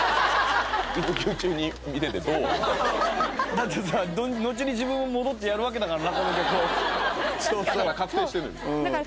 だってさ後に自分も戻ってやるわけだから確かにそれずるいわ！